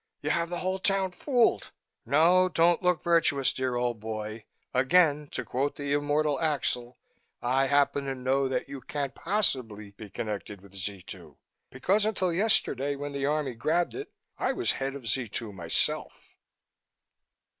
You have the whole town fooled. No, don't look virtuous, dear old boy again to quote the immortal Axel I happen to know that you can't possibly be connected with Z 2, because until yesterday, when the Army grabbed it, I was head of Z 2 myself!"